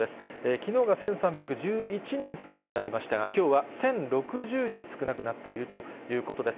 きのうが１３１１人少なくなりましたが、きょうは１０６０人少なくなっているということです。